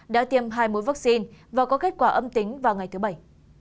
đã tiêm hai mối vaccine và có kết quả âm tính vào ngày thứ bảy